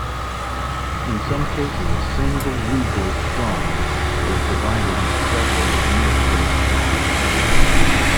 In some cases, a single legal "dong" is divided into several administrative "dong".